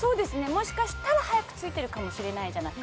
もしかしたら早く着いてるかもしれないじゃない。